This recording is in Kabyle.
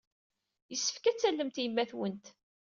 Yessefk ad tallemt yemma-twent.